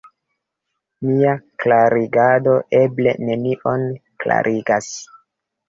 Mia klarigado eble nenion klarigas.